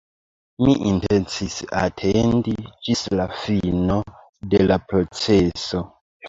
Mi intencis atendi ĝis la fino de la proceso.